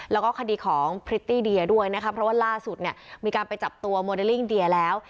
แล้วก็คดีของพริตตี้เดียด้วยนะคะเพราะว่าล่าสุดเนี่ยมีการไปจับตัวโมเดลลิ่งเดียแล้ว